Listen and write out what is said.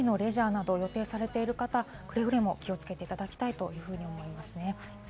なので、海のレジャーなど予定されている方、くれぐれも気をつけていただきたいと思います。